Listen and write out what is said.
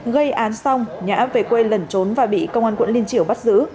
gây án xong nhã về quê lẩn trốn và bị công an quận liên triểu bắt giữ